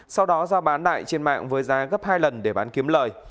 sau đó ra bán lại trên mạng với giá gấp hai lần để bán kiếm lời